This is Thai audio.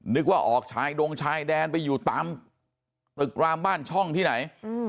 นึกว่าออกชายดงชายแดนไปอยู่ตามตึกรามบ้านช่องที่ไหน